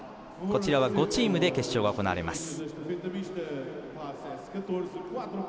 こちらは５チームで決勝が行われます。